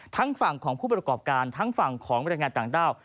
ทั้งฝั่งของผู้ประกอบการทั้งฝั่งของบรรยายงานต่างด้าว